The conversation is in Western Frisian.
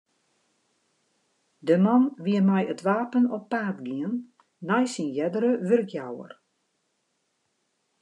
De man wie mei it wapen op paad gien nei syn eardere wurkjouwer.